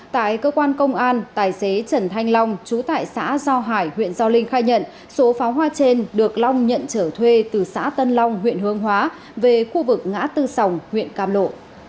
tại cơ quan công an tài xế trần thanh long chú tại xã do hải huyện do linh khai nhận số pháo hoa trên được long nhận trở thuê từ xã tân long huyện hương hóa về khu vực ngã tư sòng huyện cam lộ